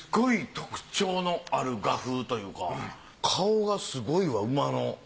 特徴のある画風というか顔がすごいわ馬の。